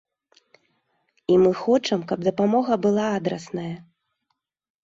І мы хочам, каб дапамога была адрасная.